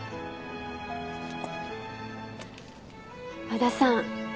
和田さん。